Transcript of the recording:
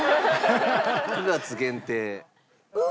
９月限定。